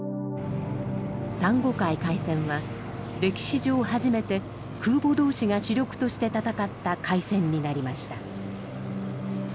珊瑚海海戦は歴史上初めて空母同士が主力として戦った海戦になりました。